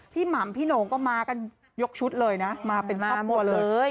หม่ำพี่หนงก็มากันยกชุดเลยนะมาเป็นครอบครัวเลย